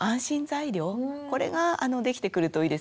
これができてくるといいですよね。